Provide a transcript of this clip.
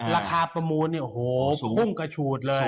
ราคาประมูลเนี่ยโหคุ่งกระฉูดเลย